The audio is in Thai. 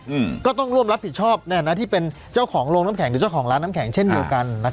อืมก็ต้องร่วมรับผิดชอบเนี่ยนะที่เป็นเจ้าของโรงน้ำแข็งหรือเจ้าของร้านน้ำแข็งเช่นเดียวกันนะครับ